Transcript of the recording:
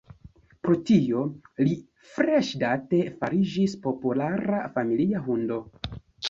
Pro tio, li freŝdate fariĝis populara familia hundo.